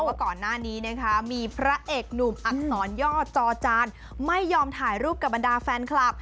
ว่าก่อนหน้านี้นะคะมีพระเอกหนุ่มอักษรย่อจอจานไม่ยอมถ่ายรูปกับบรรดาแฟนคลับ